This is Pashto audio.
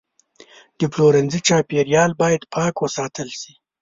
د پلورنځي چاپیریال باید پاک وساتل شي.